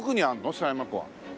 狭山湖は。